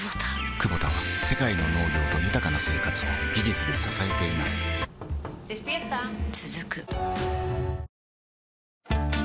クボタは世界の農業と豊かな生活を技術で支えています起きて。